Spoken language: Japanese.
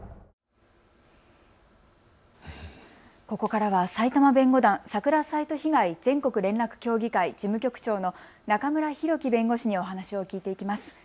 ここからは埼玉弁護団、サクラサイト被害全国連絡協議会、事務局長の中村弘毅弁護士にお話を聞いていきます。